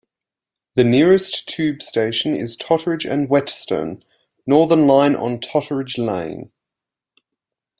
The nearest tube station is Totteridge and Whetstone - Northern line on Totteridge Lane.